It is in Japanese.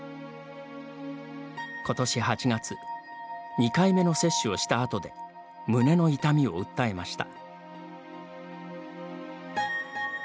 ことし８月２回目の接種をした後で胸の痛みを訴えました。